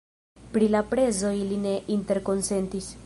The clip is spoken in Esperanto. Pri la prezo ili ne interkonsentis.